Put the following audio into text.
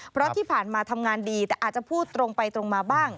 เพราะที่ผ่านมาทำงานดีแต่อาจจะพูดตรงไปตรงมาบ้าง